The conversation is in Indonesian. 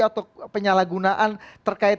atau penyalahgunaan terkait